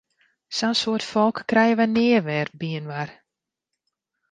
Sa'n soad folk krije wy nea wer byinoar!